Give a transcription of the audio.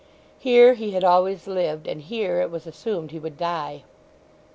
Here he had always lived, and here it was assumed he would die.